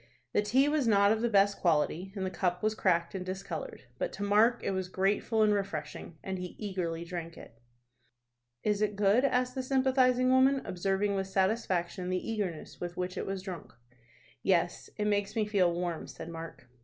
The tea was not of the best quality, and the cup was cracked and discolored; but to Mark it was grateful and refreshing, and he eagerly drank it. "Is it good?" asked the sympathizing woman, observing with satisfaction the eagerness with which it was drunk. "Yes, it makes me feel warm," said Mark.